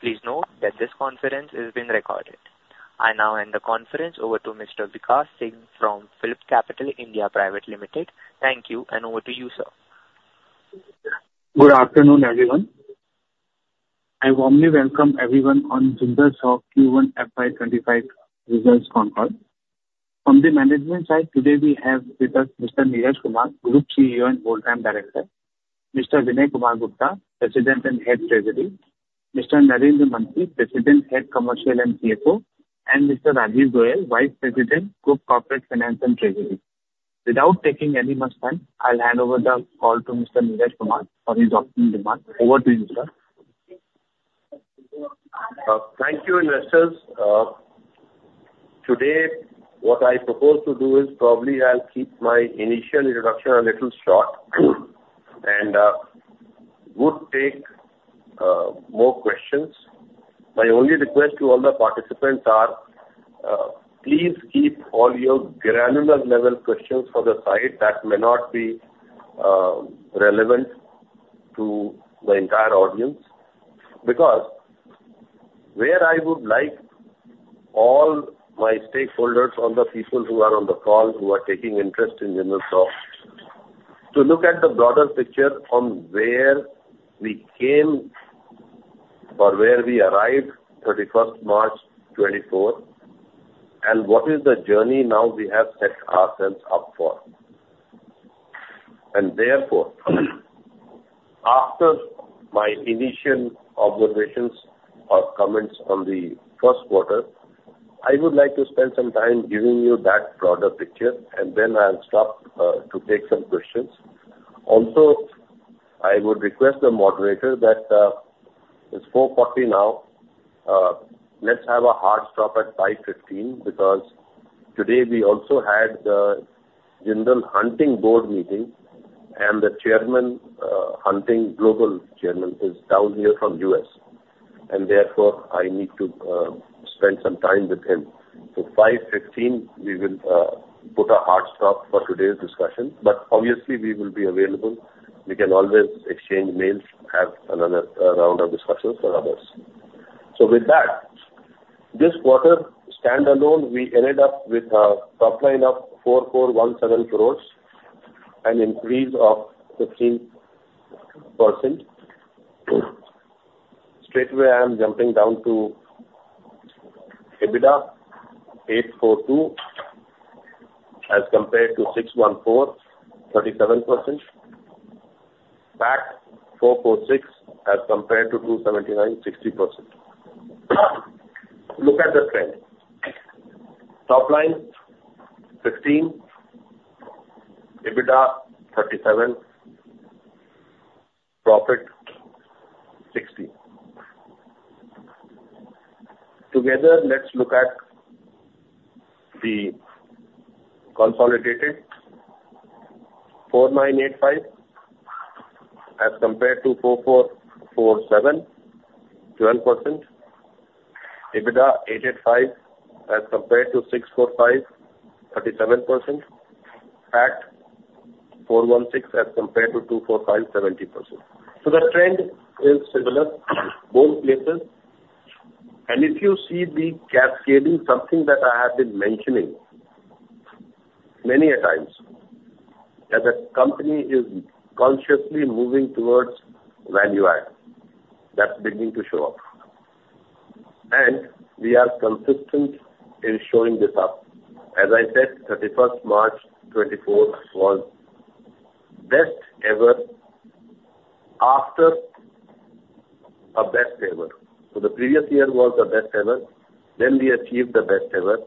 Please note that this conference is being recorded. I now hand the conference over to Mr. Vikas Singh from PhilipCapital (India) Pvt. Ltd. Thank you, and over to you, sir. Good afternoon, everyone. I warmly welcome everyone on Jindal Saw Q1 FY25 results conference. From the management side, today we have with us Mr. Neeraj Kumar, Group CEO and Whole-time Director; Mr. Vinay Kumar Gupta, President and Head Treasury; Mr. Narendra Mantri, President, Head Commercial and CFO; and Mr. Rajiv Goyal, Vice President, Group Corporate Finance and Treasury. Without taking any much time, I'll hand over the call to Mr. Neeraj Kumar for his opening remarks. Over to you, sir. Thank you, investors. Today, what I propose to do is probably I'll keep my initial introduction a little short, and would take more questions. My only request to all the participants are, please keep all your granular level questions for the side that may not be relevant to the entire audience. Because where I would like all my stakeholders, all the people who are on the call, who are taking interest in Jindal Saw, to look at the broader picture from where we came or where we arrived thirty-first March 2024, and what is the journey now we have set ourselves up for. And therefore, after my initial observations or comments on the first quarter, I would like to spend some time giving you that broader picture, and then I'll stop to take some questions. Also, I would request the moderator that, it's 4:40 P.M. now, let's have a hard stop at 5:15 P.M., because today we also had the Jindal Hunting Board meeting, and the chairman, Hunting Global Chairman, is down here from the U.S., and therefore I need to spend some time with him. So 5:15 P.M., we will put a hard stop for today's discussion, but obviously we will be available. We can always exchange mails, have another round of discussions for others. So with that, this quarter standalone, we ended up with a top line of 4,417 crores, an increase of 15%. Straight away, I am jumping down to EBITDA 842 crores, as compared to 614 crores, 37%. PAT 446 crores, as compared to 279 crores, 60%. Look at the trend. Top line, 15%; EBITDA, 37%; profit, 60%. Together, let's look at the consolidated. 4,985, as compared to 4,447, 12%. EBITDA, 885, as compared to 645, 37%. PAT, 416, as compared to 245, 70%. So the trend is similar both places. And if you see the cascading, something that I have been mentioning many a times, that the company is consciously moving towards value add. That's beginning to show up. And we are consistent in showing this up. As I said, 31st March 2024, was best ever after a best ever. So the previous year was the best ever, then we achieved the best ever.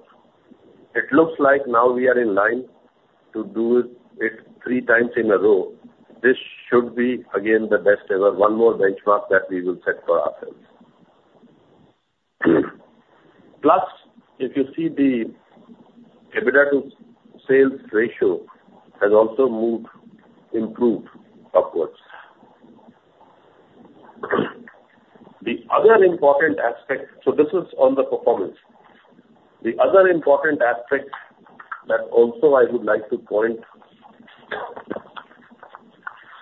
It looks like now we are in line to do it three times in a row. This should be again, the best ever. One more benchmark that we will set for ourselves. Plus, if you see the EBITDA to sales ratio has also moved, improved upwards. The other important aspect... So this is on the performance. The other important aspect that also I would like to point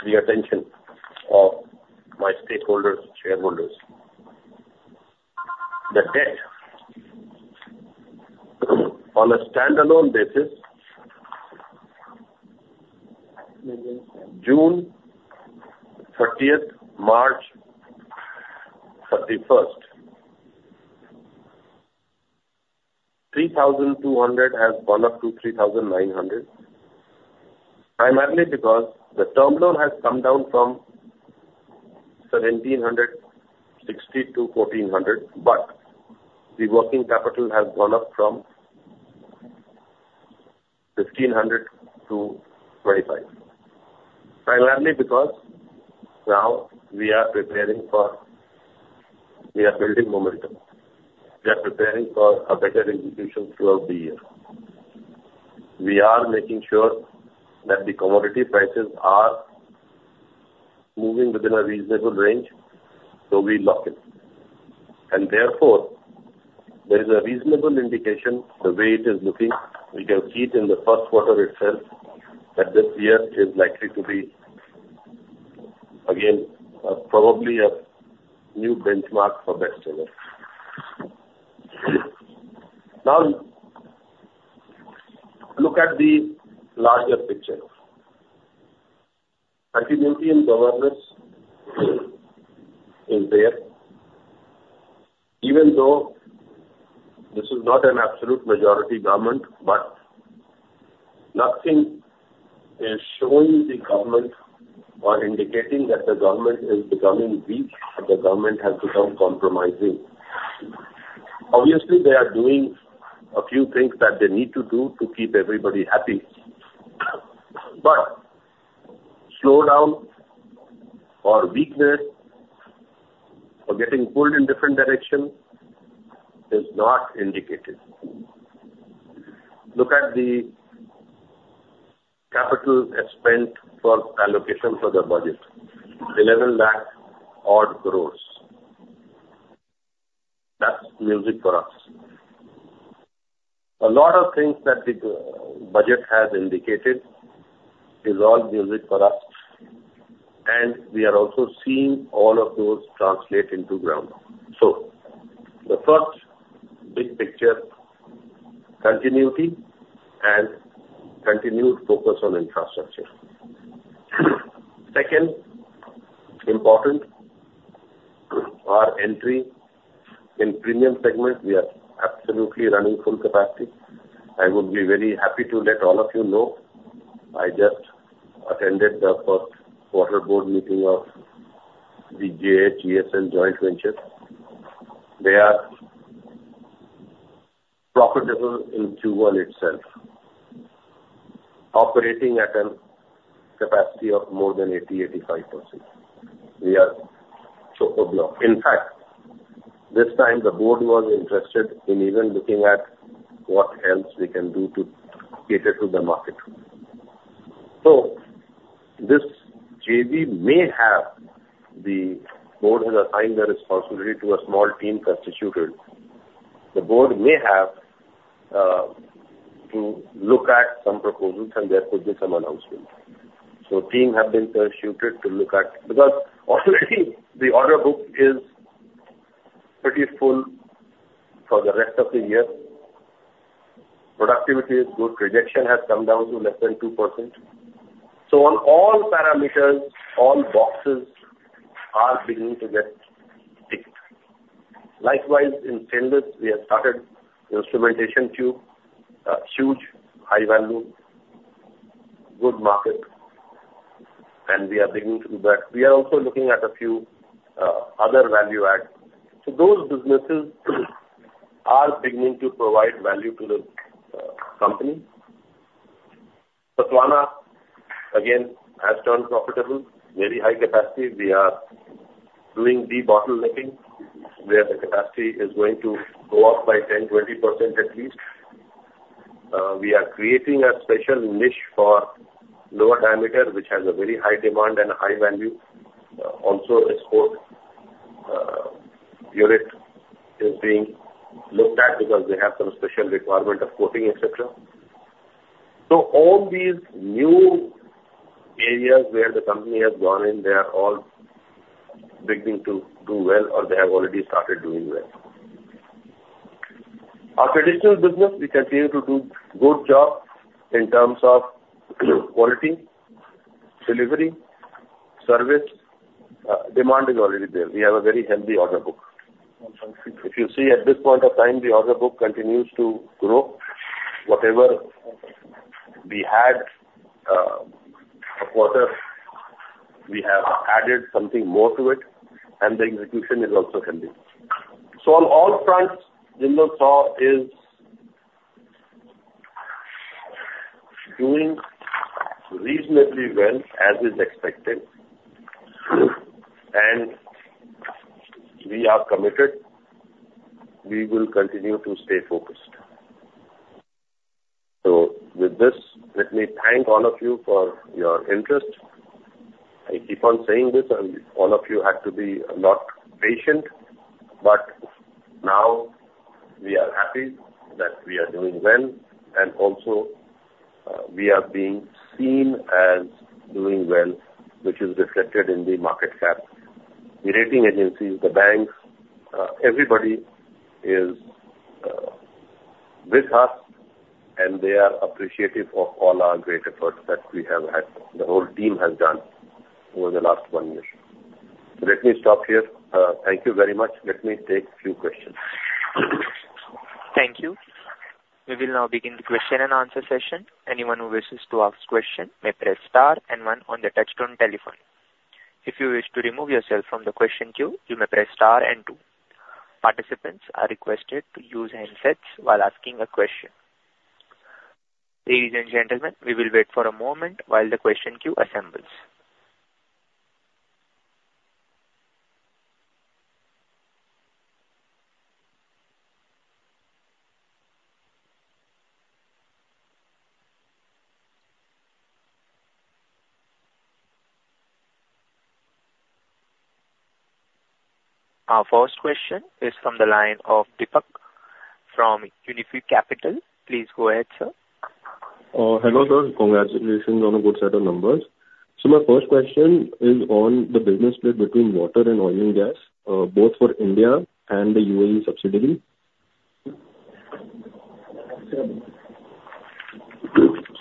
the attention of my stakeholders, shareholders. The debt. On a standalone basis, June 30th, March 31st, 3,200 has gone up to 3,900, primarily because the term loan has come down from 1,760 to 1,400, but the working capital has gone up from INR 1,500-INR 25. Primarily because now we are preparing for... We are building momentum. We are preparing for a better execution throughout the year. We are making sure that the commodity prices are moving within a reasonable range, so we lock it. There is a reasonable indication, the way it is looking, we can see it in the first quarter itself, that this year is likely to be again, probably a new benchmark for best so far. Now, look at the larger picture. Continuity in governance is there, even though this is not an absolute majority government, but nothing is showing the government or indicating that the government is becoming weak, or the government has become compromising. Obviously, they are doing a few things that they need to do to keep everybody happy. But slowdown or weakness or getting pulled in different direction is not indicated. Look at the capital spent for allocation for the budget, 11,00,000 crore. That's music for us. A lot of things that the general budget has indicated is all music for us, and we are also seeing all of those translate into ground. So the first big picture, continuity and continued focus on infrastructure. Second, important, our entry in premium segment, we are absolutely running full capacity. I would be very happy to let all of you know, I just attended the first quarter board meeting of the JHESL joint venture. They are profitable in Q1 itself, operating at a capacity of more than 80%-85%. We are super blocked. In fact, this time the board was interested in even looking at what else we can do to cater to the market. So this JV may have the board has assigned the responsibility to a small team constituted. The board may have to look at some proposals and there could be some announcements. So team have been constituted to look at- because already the order book is pretty full for the rest of the year. Productivity is good. Rejection has come down to less than 2%. So on all parameters, all boxes are beginning to get ticked. Likewise, in tenders, we have started the instrumentation tube, a huge high value, good market, and we are beginning to do that. We are also looking at a few, other value adds. So those businesses are beginning to provide value to the, company. Sathavahana, again, has turned profitable. Very high capacity. We are doing debottlenecking, where the capacity is going to go up by 10%-20%, at least. We are creating a special niche for lower diameter, which has a very high demand and a high value. Also export, unit is being looked at because they have some special requirement of coating, et cetera. So all these new areas where the company has gone in, they are all beginning to do well or they have already started doing well. Our traditional business, we continue to do good job in terms of quality, delivery, service. Demand is already there. We have a very healthy order book. If you see at this point of time, the order book continues to grow. Whatever we had a quarter, we have added something more to it, and the execution is also healthy. So on all fronts, Jindal Saw is doing reasonably well, as is expected, and we are committed. We will continue to stay focused. So with this, let me thank all of you for your interest. I keep on saying this, and all of you had to be a lot patient, but now we are happy that we are doing well, and also, we are being seen as doing well, which is reflected in the market cap. The rating agencies, the banks, everybody is with us, and they are appreciative of all our great efforts that we have had, the whole team has done over the last one year. Let me stop here. Thank you very much. Let me take few questions. Thank you. We will now begin the question and answer session. Anyone who wishes to ask question, may press star and one on the touchtone telephone. If you wish to remove yourself from the question queue, you may press star and two. Participants are requested to use handsets while asking a question. Ladies and gentlemen, we will wait for a moment while the question queue assembles. ...Our first question is from the line of Deepak from Unifi Capital. Please go ahead, sir. Hello, sir. Congratulations on the good set of numbers. So my first question is on the business split between water and oil and gas, both for India and the UAE subsidiary.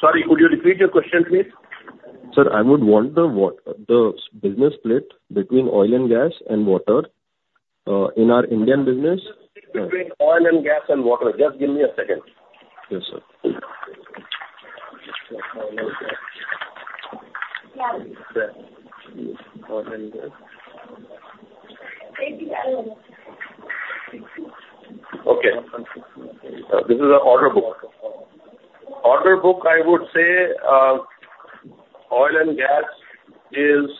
Sorry, could you repeat your question, please? Sir, I would want the business split between oil and gas and water, in our Indian business. Between oil and gas and water. Just give me a second. Yes, sir. Okay. This is our order book. Order book, I would say, oil and gas is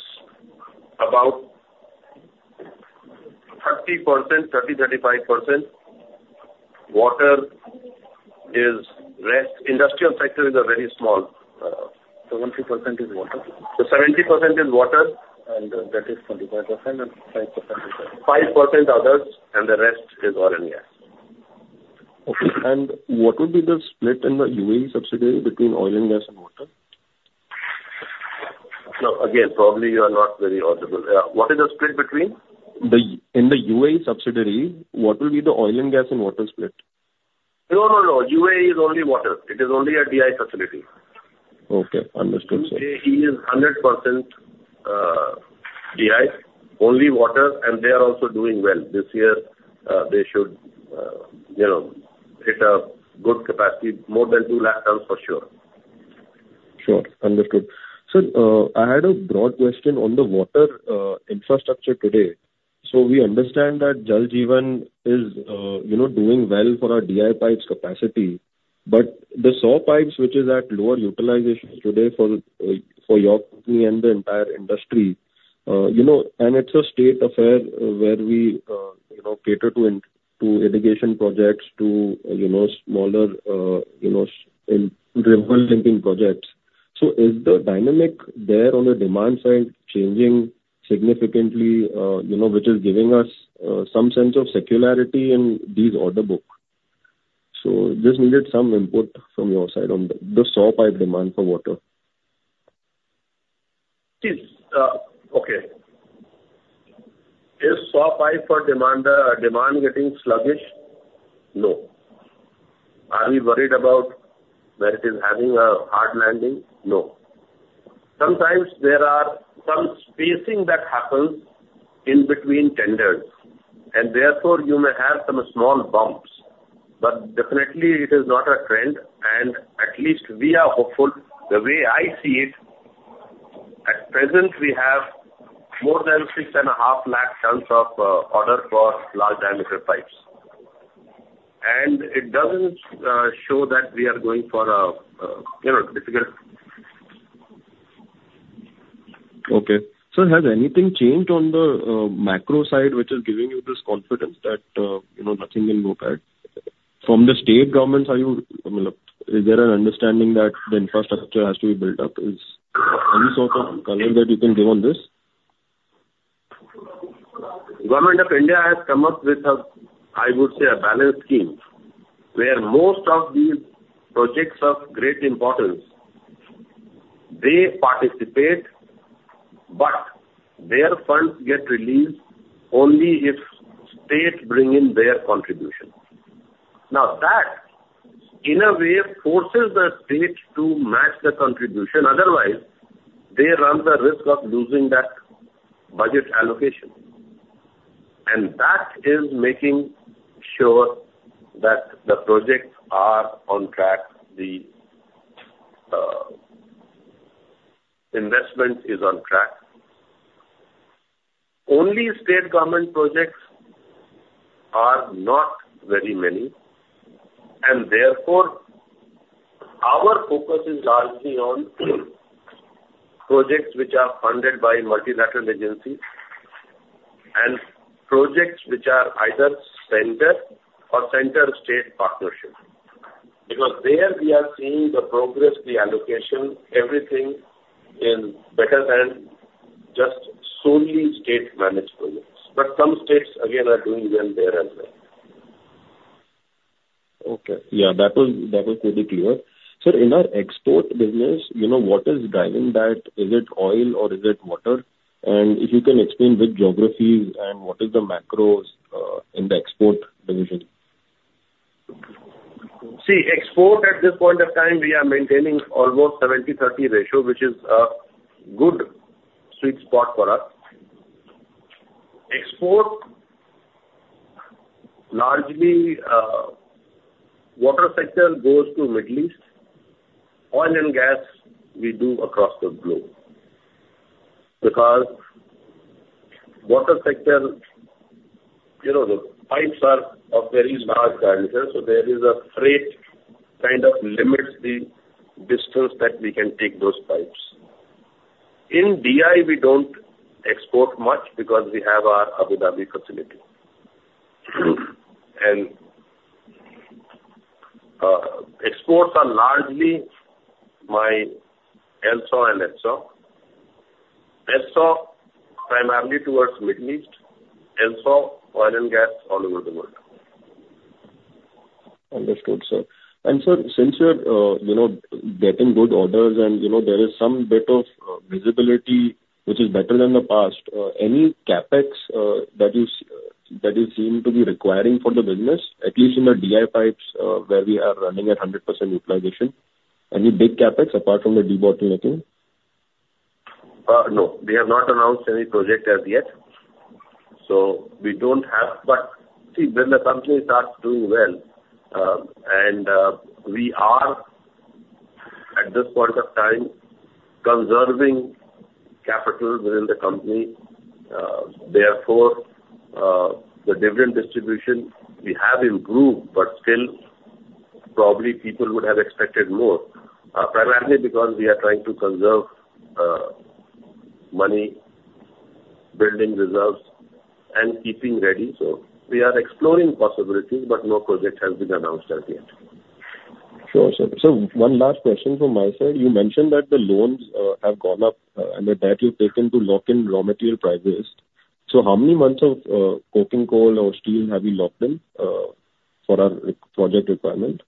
about 30%-35%. Water is rest. Industrial sector is a very small. 70% is water? 70% is water. That is 25% and 5% is- 5% others, and the rest is oil and gas. Okay. What would be the split in the UAE subsidiary between oil and gas and water? Now, again, probably you are not very audible. What is the split between? In the UAE subsidiary, what will be the oil and gas and water split? No, no, no. UAE is only water. It is only a DI facility. Okay, understood, sir. UAE is 100%, DI, only water, and they are also doing well. This year, they should, you know, hit a good capacity, more than 200,000 tons, for sure. Sure. Understood. Sir, I had a broad question on the water infrastructure today. So we understand that Jal Jeevan is, you know, doing well for our DI pipes capacity, but the SAW pipes, which is at lower utilization today for, for your company and the entire industry, you know, and it's a state affair where we, you know, cater to into irrigation projects, to, you know, smaller, you know, in river linking projects. So is the dynamic there on the demand side changing significantly, you know, which is giving us, some sense of secularity in these order book? So just needed some input from your side on the, the SAW pipe demand for water. Yes. Okay. Is SAW pipe for demand, demand getting sluggish? No. Are we worried about that it is having a hard landing? No. Sometimes there are some spacing that happens in between tenders, and therefore, you may have some small bumps, but definitely it is not a trend, and at least we are hopeful. The way I see it, at present, we have more than 650,000 tons of order for large diameter pipes. And it doesn't show that we are going for a, you know, difficult... Okay. Sir, has anything changed on the, macro side, which is giving you this confidence that, you know, nothing will go bad? From the state government, are you, is there an understanding that the infrastructure has to be built up? Is any sort of color that you can give on this? Government of India has come up with a, I would say, a balanced scheme, where most of these projects of great importance, they participate, but their funds get released only if states bring in their contribution. Now, that, in a way, forces the states to match the contribution, otherwise, they run the risk of losing that budget allocation. And that is making sure that the projects are on track, the investment is on track. Only state government projects are not very many, and therefore, our focus is largely on projects which are funded by multilateral agencies and projects which are either center or central state partnership. Because there we are seeing the progress, the allocation, everything in better than just solely state-managed projects. But some states, again, are doing well there as well. Okay. Yeah, that was, that was pretty clear. Sir, in our export business, you know, what is driving that? Is it oil or is it water? And if you can explain which geographies and what is the macros in the export division. See, export at this point of time, we are maintaining almost 70/30 ratio, which is a good sweet spot for us. Export, largely, water sector goes to Middle East. Oil and gas, we do across the globe. Because water sector, you know, the pipes are of very large diameter, so there is a freight kind of limits the distance that we can take those pipes. In DI, we don't export much because we have our Abu Dhabi facility. Imports are largely by LSAW and HSAW. HSAW, primarily towards Middle East, LSAW, oil and gas all over the world. Understood, sir. Sir, since you're, you know, getting good orders and, you know, there is some bit of visibility which is better than the past, any CapEx that you seem to be requiring for the business, at least in the DI pipes, where we are running at 100% utilization. Any big CapEx apart from the debottlenecking? No, we have not announced any project as yet, so we don't have. But see, when the company starts doing well, and we are at this point of time conserving capital within the company, therefore, the dividend distribution we have improved, but still, probably people would have expected more. Primarily because we are trying to conserve money, building reserves, and keeping ready. So we are exploring possibilities, but no project has been announced as yet. Sure, sir. So one last question from my side. You mentioned that the loans have gone up, and the debt you've taken to lock in raw material prices. So how many months of coking coal or steel have you locked in for our project requirement?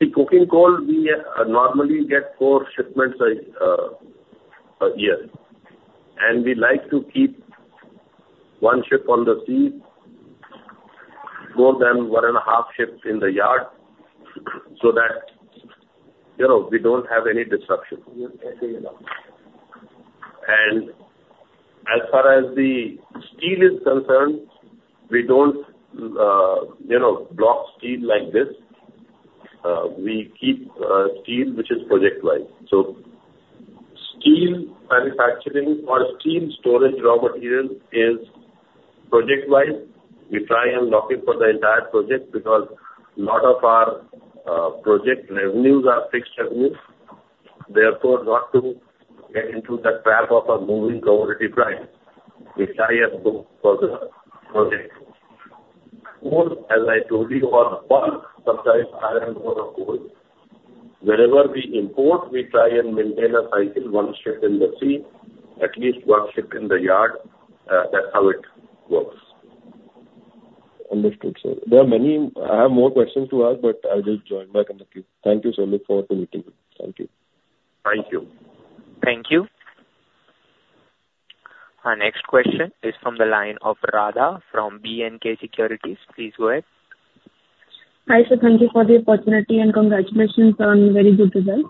The coking coal, we normally get four shipments a year, and we like to keep one ship on the sea, more than one and a half ships in the yard, so that, you know, we don't have any disruption. And as far as the steel is concerned, we don't, you know, block steel like this. We keep steel, which is project-wise. So steel manufacturing or steel storage raw material is project-wise. We try and lock in for the entire project because a lot of our project revenues are fixed revenues. Therefore, not to get into the trap of a moving commodity price, we try and go for the project. Coal, as I told you, are bulk, sometimes iron ore or coal. Wherever we import, we try and maintain a cycle, one ship in the sea, at least one ship in the yard. That's how it works. Understood, sir. There are many... I have more questions to ask, but I will join back in the queue. Thank you, sir. Look forward to meeting you. Thank you. Thank you. Thank you. Our next question is from the line of Radha from B&K Securities. Please go ahead. Hi, sir. Thank you for the opportunity, and congratulations on very good results.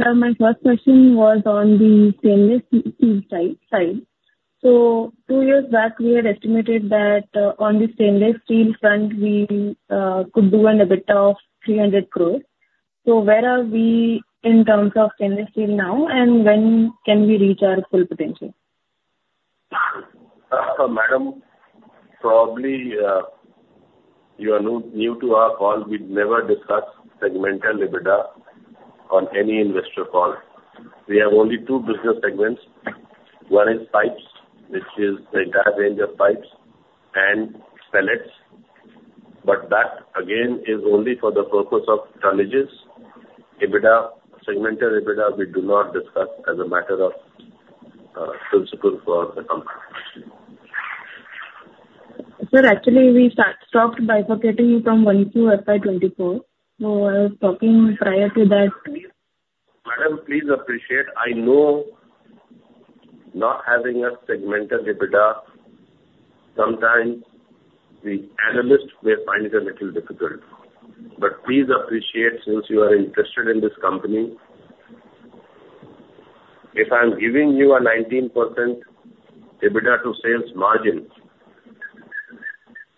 Sir, my first question was on the stainless steel side. So two years back, we had estimated that on the stainless steel front, we could do an EBITDA of 300 crore. So where are we in terms of stainless steel now, and when can we reach our full potential? Madam, probably you are new to our call. We'd never discuss segmental EBITDA on any investor call. We have only two business segments: one is pipes, which is the entire range of pipes, and pellets, but that, again, is only for the purpose of tonnages. EBITDA, segmental EBITDA, we do not discuss as a matter of principle for the company. Sir, actually, we stopped bifurcating from 1Q FY 2024, so I was talking prior to that. Madam, please appreciate, I know not having a segmental EBITDA, sometimes the analysts may find it a little difficult. But please appreciate, since you are interested in this company, if I'm giving you a 19% EBITDA to sales margin,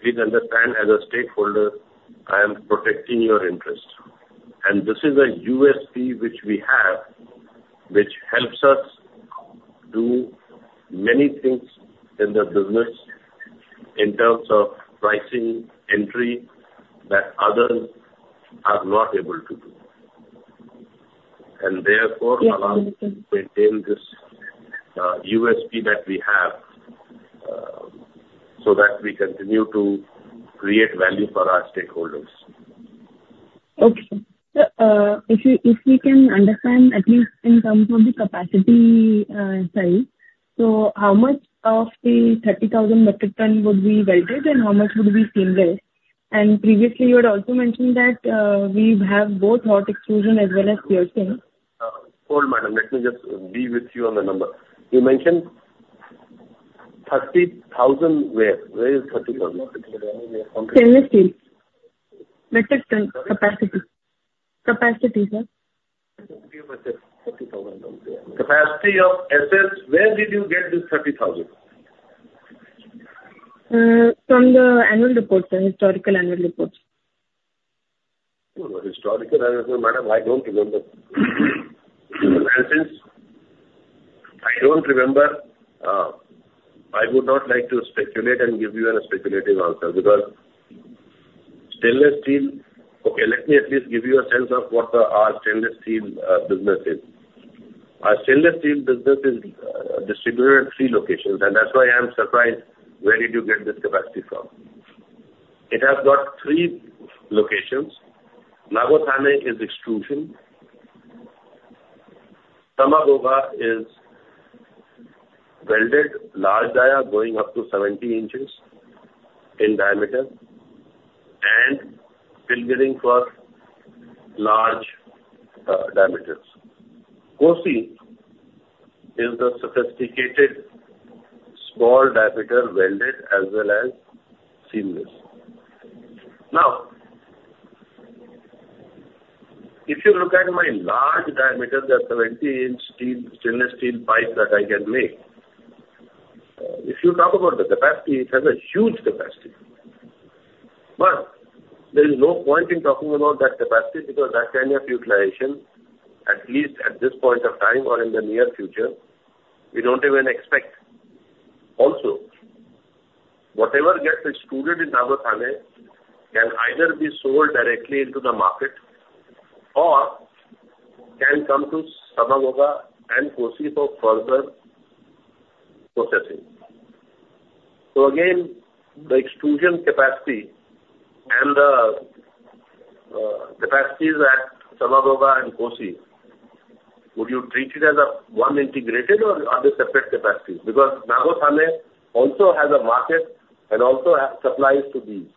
please understand, as a stakeholder, I am protecting your interest. And this is a USP which we have, which helps us do many things in the business in terms of pricing, entry, that others are not able to do. And therefore- Yes, understood. Maintain this USP that we have, so that we continue to create value for our stakeholders. Okay. Sir, if we can understand, at least in terms of the capacity side, so how much of the 30,000 metric tons would be welded and how much would be stainless? And previously, you had also mentioned that we have both hot extrusion as well as piercing. Hold, madam. Let me just be with you on the number. You mentioned 30,000 where? Where is 30,000? Stainless steel. Metric ton capacity. Capacity, sir. Capacity of SS. Where did you get this 30,000? From the annual report, sir. Historical annual report. Historical, madam, I don't remember. Since I don't remember, I would not like to speculate and give you a speculative answer, because stainless steel... Okay, let me at least give you a sense of what, our stainless steel, business is.... Our stainless steel business is, distributed in three locations, and that's why I'm surprised, where did you get this capacity from? It has got three locations. Nagothane is extrusion. Samaghogha is welded large dia, going up to 70 inches in diameter, and pilgering for large, diameters. Kosi is the sophisticated small diameter welded as well as seamless. Now, if you look at my large diameter, the 70-inch steel, stainless steel pipe that I can make, if you talk about the capacity, it has a huge capacity. But there is no point in talking about that capacity, because that kind of utilization, at least at this point of time or in the near future, we don't even expect. Also, whatever gets extruded in Nagothane can either be sold directly into the market or can come to Samaghogha and Kosi for further processing. So again, the extrusion capacity and the capacities at Samaghogha and Kosi, would you treat it as one integrated or are they separate capacities? Because Nagothane also has a market and also has supplies to these.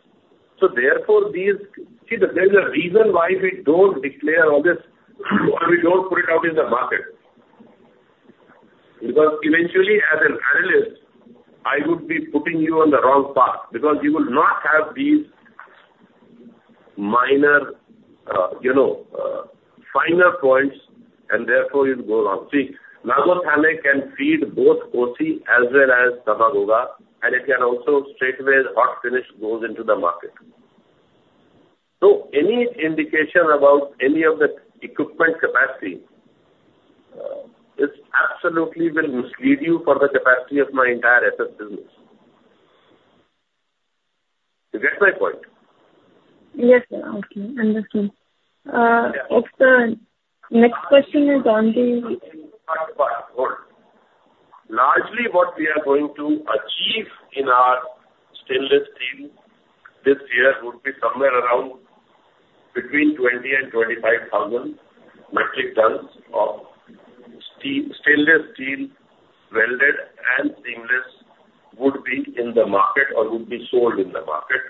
So therefore, these... See, there's a reason why we don't declare all this or we don't put it out in the market. Because eventually, as an analyst, I would be putting you on the wrong path, because you will not have these minor, you know, finer points, and therefore you'll go wrong. See, Nagothane can feed both Kosi as well as Samaghogha, and it can also straightaway hot finish goes into the market. So any indication about any of the equipment capacity is absolutely will mislead you for the capacity of my entire SS business. You get my point? Yes, sir. Okay, understand. Yeah. Okay, next question is on the- Good. Largely, what we are going to achieve in our stainless steel this year would be somewhere around between 20,000 and 25,000 metric tons of steel, stainless steel, welded and seamless, would be in the market or would be sold in the market.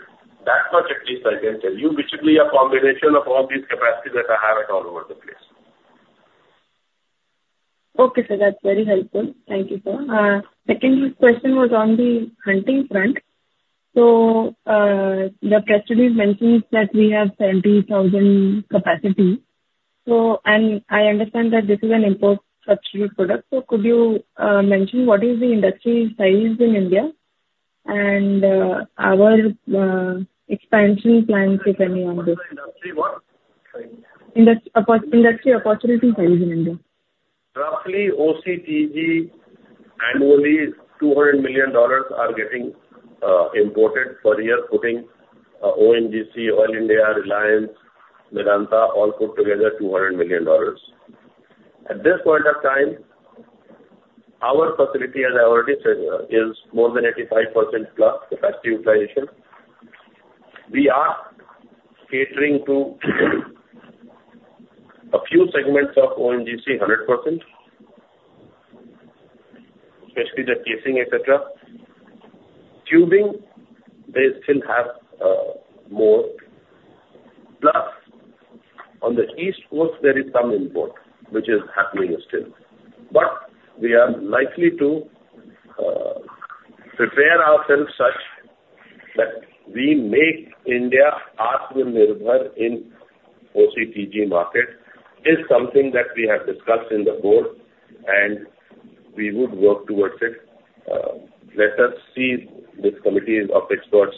That much at least I can tell you, which will be a combination of all these capacities that I have at all over the place. Okay, sir. That's very helpful. Thank you, sir. Second question was on the Hunting front. So, the press release mentions that we have 70,000 capacity. So, and I understand that this is an import substitute product. So could you mention what is the industry size in India and our expansion plans, if any, on this? What the industry, what? Sorry. Industry opportunity size in India. Roughly, OCTG, annually, $200 million are getting imported per year, putting ONGC, Oil India, Reliance, Vedanta, all put together, $200 million. At this point of time, our facility, as I already said, is more than 85% plus capacity utilization. We are catering to a few segments of ONGC 100%, especially the casing, et cetera. Tubing, they still have more. Plus, on the East Coast, there is some import, which is happening still. But we are likely to prepare ourselves such that we make India atma nirbhar in OCTG market, is something that we have discussed in the board, and we would work towards it. Let us see this committees of experts,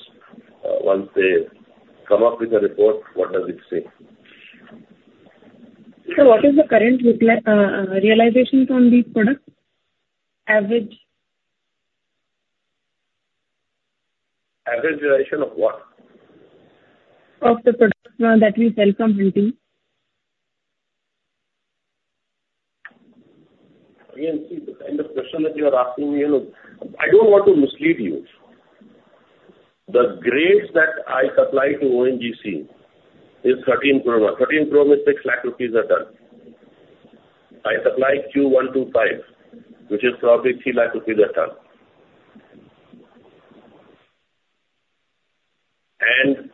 once they come up with a report, what does it say? What is the current realization on these products? Average. Average realization of what? Of the products that we sell from Hunting. Again, see, the kind of question that you are asking me, you know, I don't want to mislead you. The grades that I supply to ONGC is Thirteen Chrome. Thirteen Chrome is 600,000 rupees a ton. I supply Q125, which is probably 300,000 rupees a ton.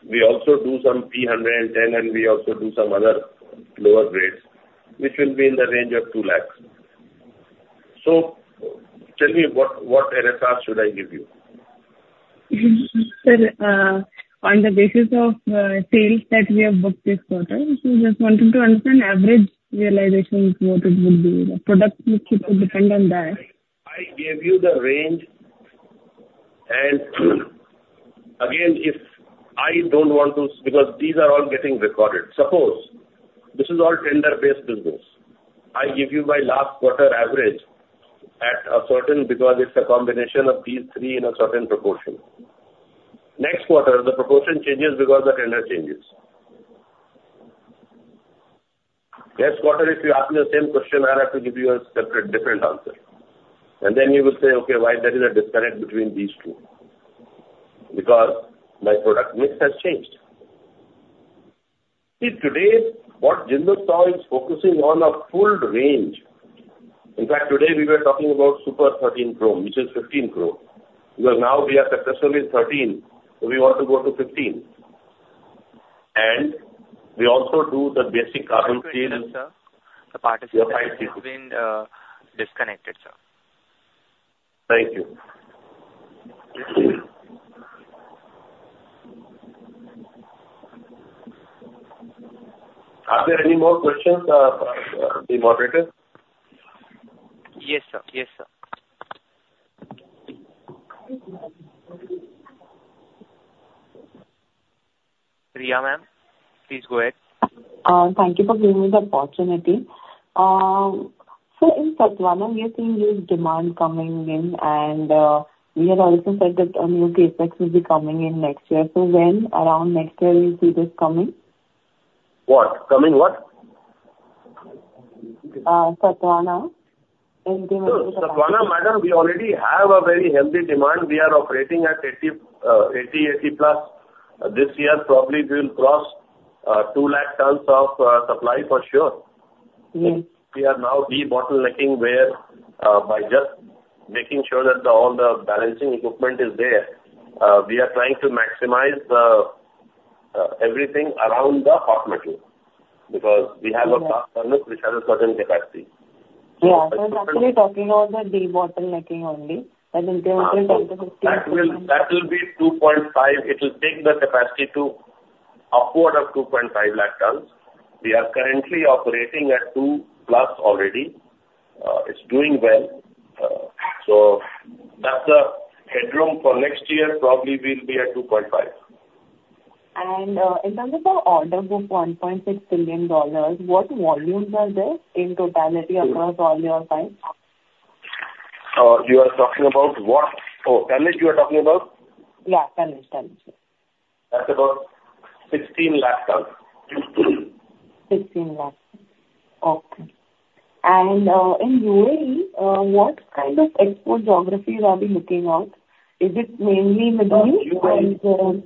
And we also do some P110, and we also do some other lower grades, which will be in the range of 200,000. So tell me what, what in exact should I give you? Sir, on the basis of sales that we have booked this quarter, we just wanted to understand average realization, what it would be? The products which could depend on that. I, I gave you the range. And again, if I don't want to... Because these are all getting recorded. Suppose, this is all tender-based business. I give you my last quarter average.... a certain because it's a combination of these three in a certain proportion. Next quarter, the proportion changes because the tender changes. Next quarter, if you ask me the same question, I'll have to give you a separate, different answer. And then you will say, "Okay, why there is a disconnect between these two?" Because my product mix has changed. See, today, what Jindal Saw is focusing on a full range. In fact, today we were talking about Super 13 Chrome, which is 15 Chrome, because now we are successful in 13, so we want to go to 15. And we also do the basic carbon steel- Sir, the participant has been disconnected, sir. Thank you. Are there any more questions from the moderator? Yes, sir. Yes, sir. Priya, ma'am, please go ahead. Thank you for giving me the opportunity. So in Sathavahana, we are seeing this demand coming in, and we had also said that a new CapEx will be coming in next year. So when around next year we'll see this coming? What? Coming, what? Uh, Satvana. No, Satvana, madam, we already have a very healthy demand. We are operating at 80, 80, 80 plus. This year, probably we will cross 200,000 tons of supply for sure. Mm-hmm. We are now debottlenecking where by just making sure that all the balancing equipment is there, we are trying to maximize everything around the hot metal, because we have a [inaudible] which has a certain capacity. Yeah, so it's actually talking about the debottlenecking only, and in terms of- That will, that will be 2.5. It will take the capacity to upward of 250,000 tons. We are currently operating at 2+ already. It's doing well. So that's the headroom for next year, probably we'll be at 2.5. In terms of order book, $1.6 billion, what volumes are there in totality across all your pipes? You are talking about what? Oh, tonnage you are talking about? Yeah, tonnage, tonnage. That's about 1,600,000 tons. INR 16 lakh, okay. And, in UAE, what kind of export geographies are we looking at? Is it mainly Middle East and-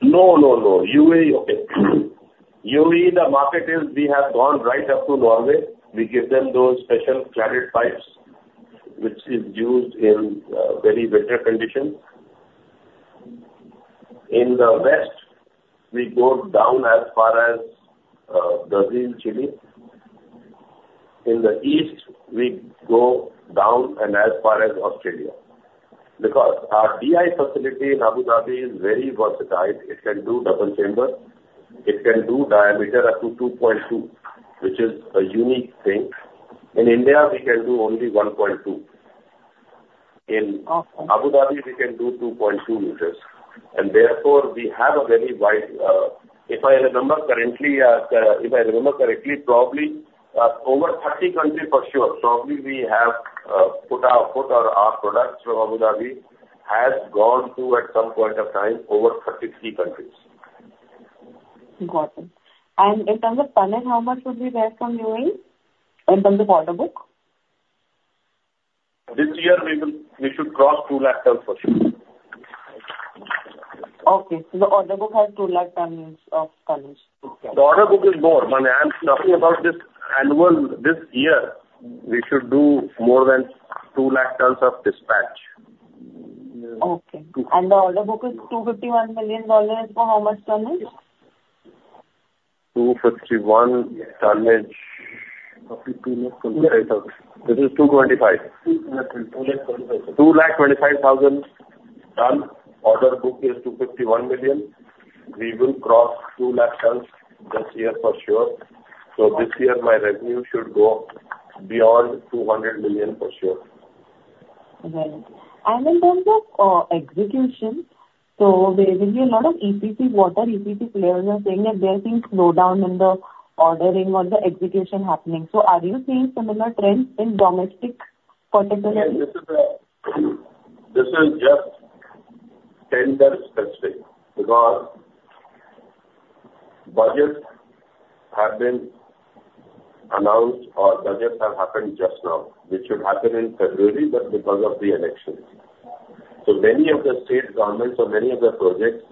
No, no, no. UAE, okay. UAE, the market is, we have gone right up to Norway. We give them those special cladded pipes, which is used in very winter conditions. In the west, we go down as far as Brazil, Chile. In the east, we go down and as far as Australia, because our DI facility in Abu Dhabi is very versatile. It can do double chamber, it can do diameter up to 2.2, which is a unique thing. In India, we can do only 1.2. In- Okay. Abu Dhabi, we can do 2.2 m, and therefore, we have a very wide. If I remember correctly, probably over 30 countries for sure. Probably, we have put our products from Abu Dhabi has gone to, at some point of time, over 33 countries. Got it. In terms of tonnage, how much would be there from UAE, in terms of order book? This year, we should, we should cross 200,000 tons for sure. Okay. So the order book has 200,000 tons. The order book is more, but I'm talking about this annual, this year, we should do more than 200,000 tons of dispatch. Okay. And the order book is $251 million for how much tonnage? 251 tonnage. INR 225,000. It is 2:25 P.M. INR 225,000. 225,000 tons. Order book is INR 251 million. We will cross 200,000 tons this year for sure. So this year, my revenue should go beyond 200 million for sure. Right. And in terms of execution, so there will be a lot of EPC water. EPC players are saying that there has been slowdown in the ordering or the execution happening. So are you seeing similar trends in domestic contractors? This is, this is just tender specific, because budgets have been announced or budgets have happened just now, which should happen in February, but because of the elections. So many of the state governments or many of the projects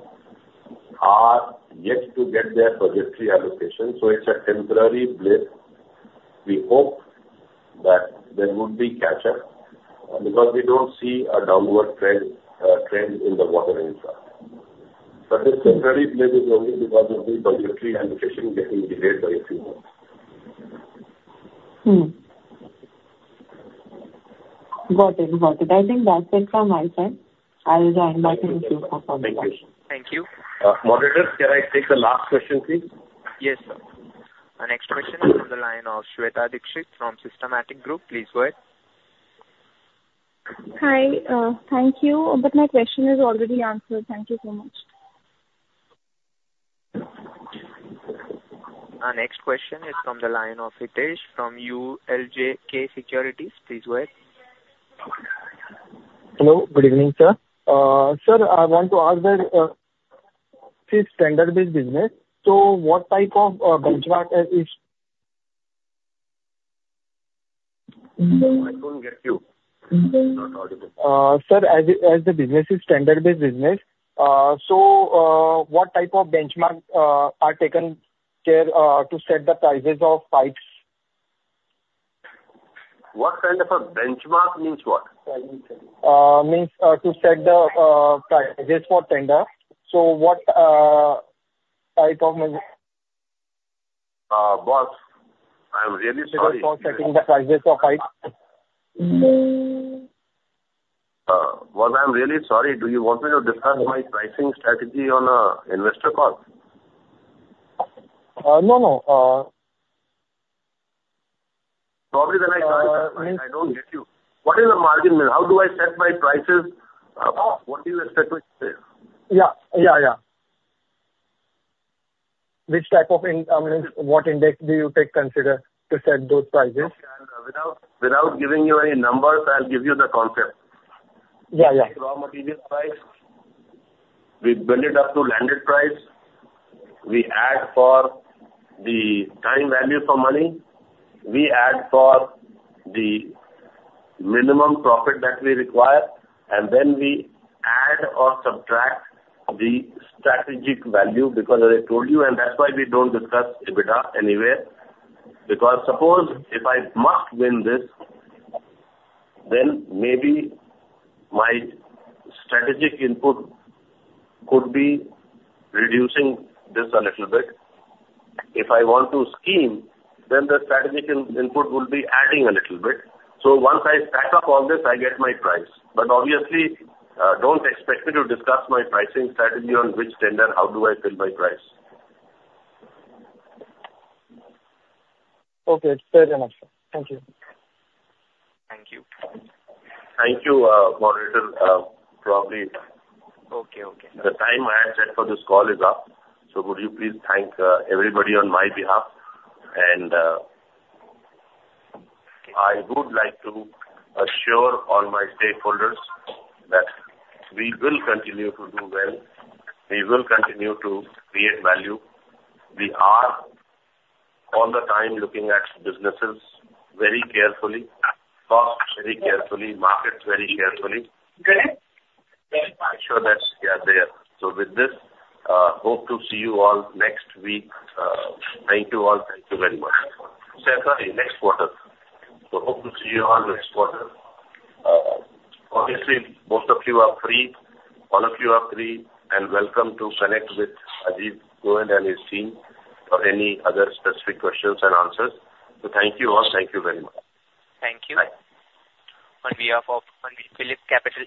are yet to get their budgetary allocation, so it's a temporary blip. We hope that there would be catch up, because we don't see a downward trend, trend in the water infrastructure. But this temporary blip is only because of the budgetary allocation getting delayed by a few months. Hmm. Got it. Got it. I think that's it from my side. I'll join back in if you have further questions. Thank you. Thank you. Moderator, can I take the last question, please? Yes, sir. Our next question is on the line of Shweta Dixit from Systematix Group. Please go ahead. Hi, thank you, but my question is already answered. Thank you so much. ... Our next question is from the line of Hitesh from ULJK Securities. Please go ahead. Hello, good evening, sir. Sir, I want to ask that, this tender-based business, so what type of benchmark is? I don't get you. Sir, as the business is tender-based business, so what type of benchmark are taken care to set the prices of pipes? What kind of a benchmark, means what? Means to set the prices for tender. So what type of- Boss, I'm really sorry. For setting the prices for pipes. Boss, I'm really sorry. Do you want me to discuss my pricing strategy on an investor call? No, no. Probably then I don't get you. What is the margin? How do I set my prices? What do you expect me to say? Yeah. Yeah, yeah. Which type of—I mean, what index do you take, consider to set those prices? Without giving you any numbers, I'll give you the concept. Yeah, yeah. Raw material price, we build it up to landed price. We add for the time value for money. We add for the minimum profit that we require, and then we add or subtract the strategic value, because as I told you, and that's why we don't discuss EBITDA anywhere. Because suppose if I must win this, then maybe my strategic input could be reducing this a little bit. If I want to scheme, then the strategic input will be adding a little bit. So once I stack up all this, I get my price. But obviously, don't expect me to discuss my pricing strategy on which tender, how do I build my price? Okay, it's fair enough, sir. Thank you. Thank you. Thank you, moderator, probably- Okay, okay. The time I had set for this call is up, so would you please thank, everybody on my behalf? And, I would like to assure all my stakeholders that we will continue to do well. We will continue to create value. We are all the time looking at businesses very carefully, at costs very carefully, markets very carefully. Great. Make sure that they are there. So with this, hope to see you all next week. Thank you all. Thank you very much. Sorry, next quarter. So hope to see you all next quarter. Obviously, most of you are free. All of you are free, and welcome to connect with Rajiv Goyal and his team for any other specific questions and answers. So thank you all. Thank you very much. Thank you. On behalf of PhilipCapital-